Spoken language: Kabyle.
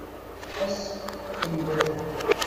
Ḥess akken iwata.